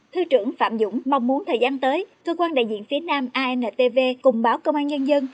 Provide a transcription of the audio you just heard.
thứ trưởng phạm dũng mong muốn thời gian tới cơ quan đại diện phía nam antv cùng báo công an nhân dân